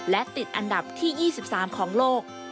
และติดอันดับที่๒๓ของโลก